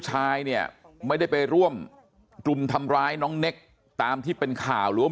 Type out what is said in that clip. ชายเนี่ยไม่ได้ไปร่วมรุมทำร้ายน้องเน็กตามที่เป็นข่าวหรือว่า